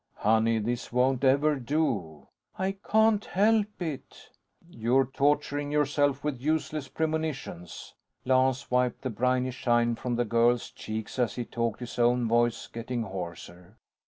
"Honey, this won't ever do." "I can't help it." "You're torturing yourself with useless premonitions." Lance wiped the briny shine from the girl's cheeks as he talked, his own voice getting hoarser.